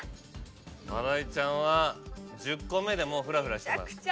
新井ちゃんは１０個目でもうフラフラしてます。